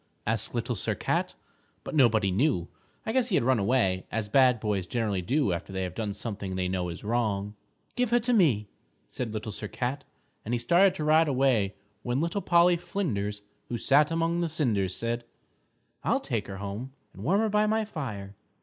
asked Little Sir Cat. But nobody knew. I guess he had run away, as bad boys generally do after they have done something they know is wrong. "Give her to me," said Little Sir Cat, and he started to ride away when Little Polly Flinders who sat among the cinders said, "I'll take her home and warm her by my fire!"